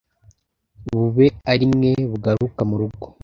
bube ari mwe bugaruka murugo